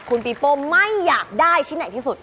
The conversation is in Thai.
คุณปีโป้ไม่อยากได้ชิ้นไหนที่สุด